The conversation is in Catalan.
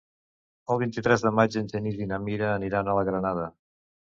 El vint-i-tres de maig en Genís i na Mira aniran a la Granada.